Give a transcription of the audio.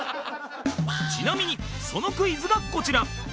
ちなみにそのクイズがこちら